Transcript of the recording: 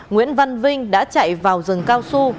nguyễn văn vinh đã chạy vào rừng cao su